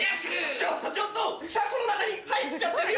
ちょっとちょっと車庫の中に入っちゃってるよ！